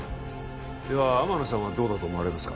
では天野さんはどうだと思われますか？